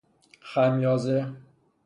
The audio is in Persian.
خمیازه